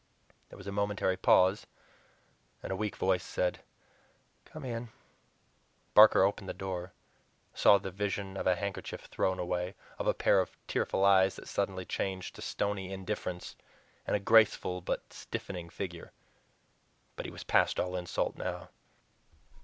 There was a momentary pause, and a weak voice said "Come in." Barker opened the door; saw the vision of a handkerchief thrown away, of a pair of tearful eyes that suddenly changed to stony indifference, and a graceful but stiffening figure. But he was past all insult now.